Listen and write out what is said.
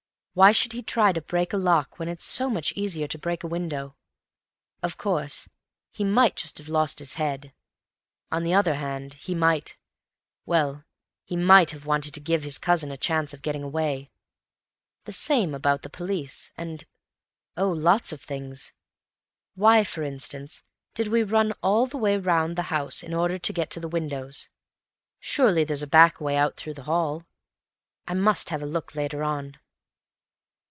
Why should he try to break a lock when it's so much easier to break a window? Of course he might just have lost his head; on the other hand, he might—well, he might have wanted to give his cousin a chance of getting away. The same about the police, and—oh, lots of things. Why, for instance, did we run all the way round the house in order to get to the windows? Surely there's a back way out through the hall. I must have a look later on."